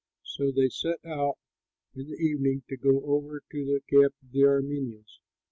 So they set out in the evening to go over to the camp of the Arameans.